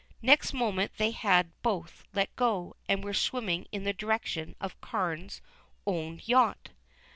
Next moment they had both let go, and were swimming in the direction of Carne's own yacht.